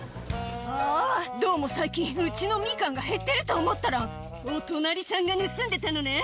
「あぁどうも最近うちのミカンが減ってると思ったらお隣さんが盗んでたのね！」